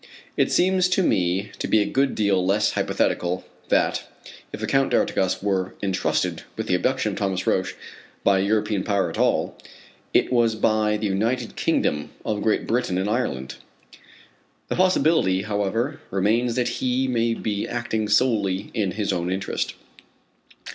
It seems to me to be a good deal less hypothetical that, if the Count d'Artigas was entrusted with the abduction of Thomas Roch by a European Power at all, it was by the United Kingdom of Great Britain and Ireland. The possibility, however, remains that he may be acting solely in his own interest.